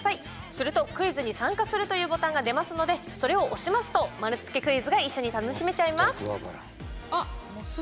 するとクイズに参加するというボタンが出ますのでそれを押しますと丸つけクイズが一緒に楽しめちゃいます。